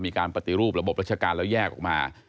มีการปฏิรูประบบราชการแล้วแยกออกมา